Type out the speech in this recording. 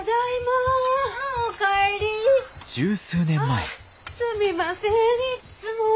ああすみませんいっつも。